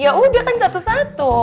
ya udah kan satu satu